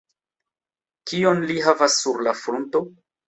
Kion li havas sur la frunto?